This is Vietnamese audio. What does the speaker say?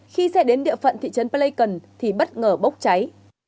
khi xe đến địa phận thị trấn pleikon thì bất ngờ bốc cháy